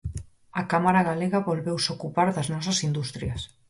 A Cámara galega volveuse ocupar das nosas industrias.